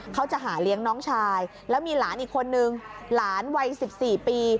เขาจะหาเลี้ยงน้องชายแล้วมีหลานอีกคนนึงหลานวัย๑๔ปี